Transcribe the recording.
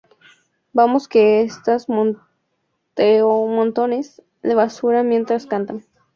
Vemos que estás montones de basura mientras cantan.